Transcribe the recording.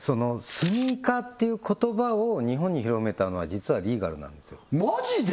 スニーカーっていう言葉を日本に広めたのは実はリーガルなんですよマジで？